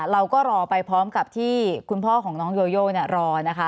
เราก็รอไปพร้อมกับที่คุณพ่อของน้องโยโยรอนะคะ